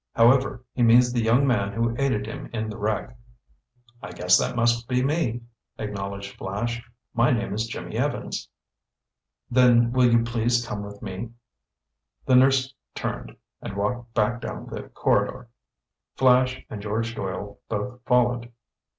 However, he means the young man who aided him in the wreck." "I guess that must be me," acknowledged Flash. "My name is Jimmy Evans." "Then will you please come with me?" The nurse turned and walked back down the corridor. Flash and George Doyle both followed.